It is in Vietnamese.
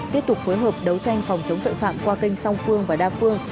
tiếp tục phối hợp đấu tranh phòng chống tội phạm qua kênh song phương và đa phương